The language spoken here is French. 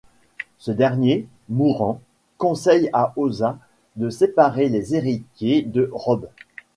Ce dernier, mourant, conseille à Osha de séparer les héritiers de Robb.